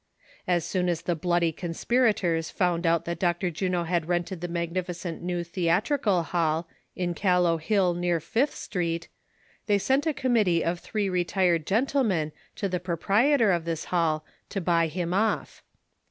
As soon as the bloody conspirators found out that Dr. Juno had rented the mag nificent new Theatrical Hall, in Callowhill near Fifth street, they sent a committee of three retired gentlemen to the proprietor of this hall to buy him off.